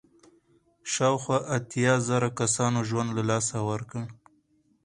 شاوخوا اتیا زره کسانو ژوند له لاسه ورکړ.